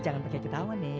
jangan pake ketawa nek